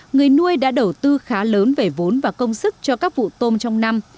người nuôi đã đầu tư khá lớn về vốn và công sức cho các vụ tôm trong năm